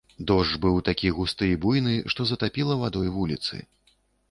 Дождж быў такі густы і буйны, што затапіла вадой вуліцы.